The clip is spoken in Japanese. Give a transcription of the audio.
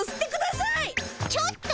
ちょっと。